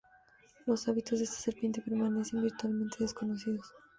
Los hábitos de esta serpiente permanecen virtualmente desconocidos.